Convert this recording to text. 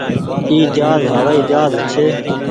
اي جهآز هوآئي جهآز ڇي۔